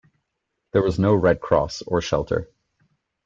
There was no Red Cross or shelter.